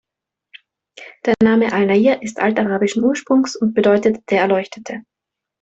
Der Name Al Nair ist altarabischen Ursprungs und bedeutet „der Erleuchtete“.